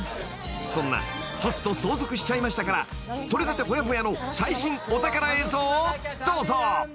［そんな『ホスト相続しちゃいました』から撮れたてほやほやの最新お宝映像をどうぞ］